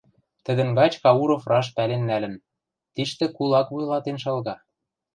Тӹдӹн гач Кауров раш пӓлен нӓлӹн: тиштӹ кулак вуйлатен шалга.